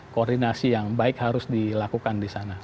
koordinasi yang baik harus dilakukan di sana